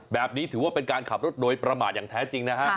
แบบนี้ถือว่าเป็นการขับรถโดยประมาทอย่างแท้จริงนะฮะ